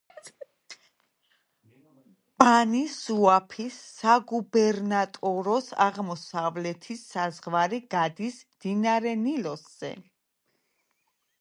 ბანი-სუაფის საგუბერნატოროს აღმოსავლეთის საზღვარი გადის მდინარე ნილოსზე.